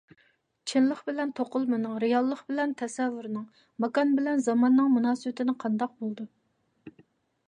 چىنلىق بىلەن توقۇلمىنىڭ، رېئاللىق بىلەن تەسەۋۋۇرنىڭ، ماكان بىلەن زاماننىڭ مۇناسىۋىتىنى قانداق بولىدۇ؟